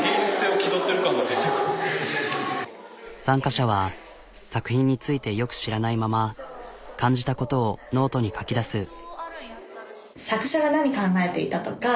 参加者は作品についてよく知らないまま感じたことをノートに書き出す。